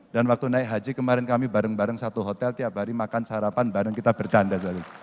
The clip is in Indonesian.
dan waktu naik haji kemarin kami bareng bareng satu hotel tiap hari makan sarapan bareng kita bercanda